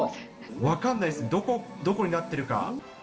分かんないです、どこになってるか。